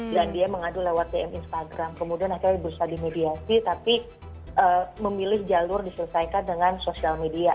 dan dia mengadu lewat dm instagram kemudian akhirnya berusaha dimediasi tapi memilih jalur diselesaikan dengan sosial media